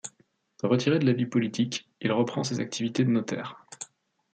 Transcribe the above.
Retiré de la vie politique, il reprend ses activités de notaire.